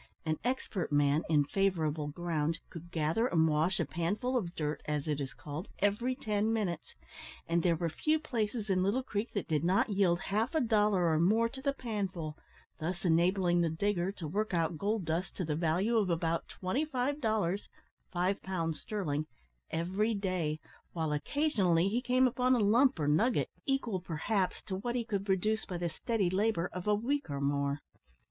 An expert man, in favourable ground, could gather and wash a panful of "dirt," as it is called, every ten minutes; and there were few places in Little Creek that did not yield half a dollar or more to the panful, thus enabling the digger to work out gold dust to the value of about twenty five dollars, (five pounds sterling), every day, while occasionally he came upon a lump or nugget, equal, perhaps, to what he could produce by the steady labour of a week or more.